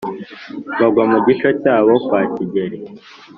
bagwa mu gico cy'abo kwa kigeri ,